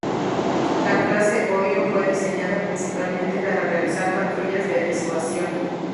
La clase Ohio fue diseñada principalmente para realizar patrullas de disuasión.